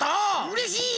うれしい！